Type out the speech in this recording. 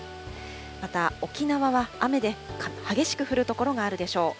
また、沖縄は雨で激しく降る所があるでしょう。